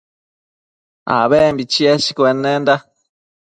abembi cheshcuennenda